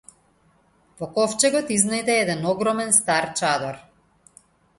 Во ковчегот изнајде еден огромен стар чадор.